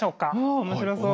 わ面白そう。